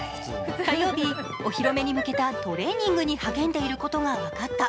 火曜日、お披露目に向けたトレーニングに励んでいることが分かった。